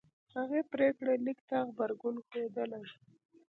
هغه پرېکړه لیک ته غبرګون ښودلی